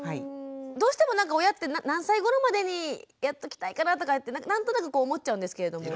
どうしてもなんか親って何歳ごろまでにやっときたいかなとか何となく思っちゃうんですけれども。